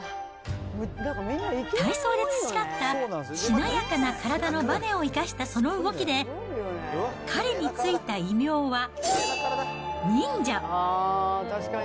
体操で培ったしなやかな体のバネを生かしたその動きで、彼に付いた異名は、忍者。